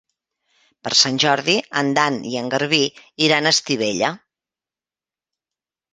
Per Sant Jordi en Dan i en Garbí iran a Estivella.